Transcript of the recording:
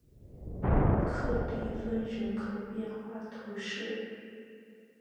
克利翁人口变化图示